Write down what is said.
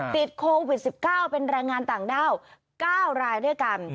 ติดโควิด๑๙เป็นแรงงานต่างด้าว๙รายด้วยกัน